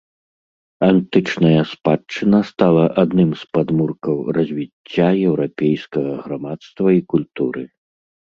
Антычная спадчына стала адным з падмуркаў развіцця еўрапейскага грамадства і культуры.